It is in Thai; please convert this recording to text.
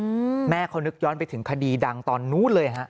อืมแม่เขานึกย้อนไปถึงคดีดังตอนนู้นเลยฮะ